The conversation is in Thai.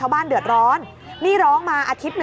ก็ไม่มีอำนาจ